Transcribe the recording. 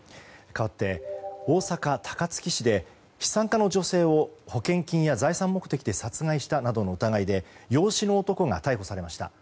かわって大阪・高槻市で、資産家の女性を保険金や財産目的で殺害したなどの疑いで養子の男が逮捕されました。